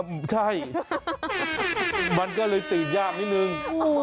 ใช่มันก็เลยตื่นยากนิดนึง